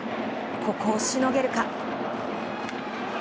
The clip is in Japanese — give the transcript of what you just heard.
ここを、しのげるか。